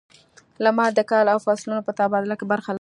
• لمر د کال او فصلونو په تبادله کې برخه لري.